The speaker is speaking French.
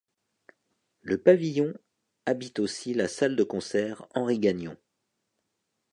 Le pavillon habite aussi la salle de concert Henri-Gagnon.